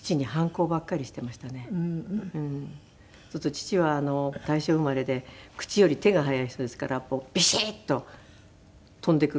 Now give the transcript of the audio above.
父は大正生まれで口より手が早い人ですからビシッと飛んでくるんですよ